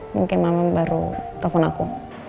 mungkin mama baru telepon aku